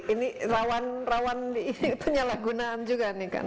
ini rawan rawan penyalahgunaan juga nih kan